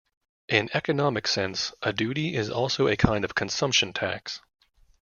In economic sense, a duty is also a kind of consumption tax.